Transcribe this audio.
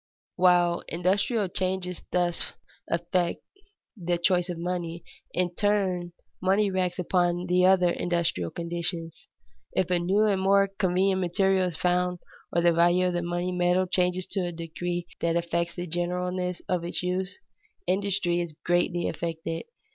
While industrial changes thus affect the choice of money, in turn money reacts upon the other industrial conditions. If a new and more convenient material is found, or the value of the money metal changes to a degree that affects the generalness of its use, industry is greatly affected.